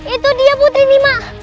itu dia putri nima